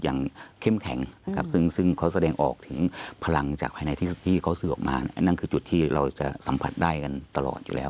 เข้มแข็งนะครับซึ่งเขาแสดงออกถึงพลังจากภายในที่เขาสื่อออกมาอันนั้นคือจุดที่เราจะสัมผัสได้กันตลอดอยู่แล้ว